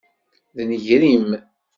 D nnger-im!